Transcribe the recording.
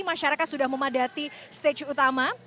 masyarakat sudah memadati stage utama